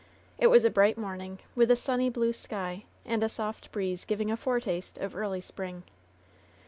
It was a bright morning, with a sunny blue sky, and a soft breeze giving a foretaste of early spring.